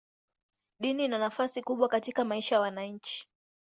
Dini ina nafasi kubwa katika maisha ya wananchi.